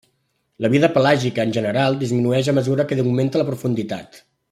La vida pelàgica en general disminueix a mesura que augmenta la profunditat.